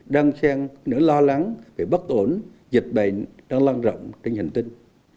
đó là lắng về bất ổn dịch bệnh đang lan rộng trên hành tinh